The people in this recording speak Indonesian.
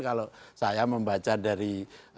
kalau saya membaca dari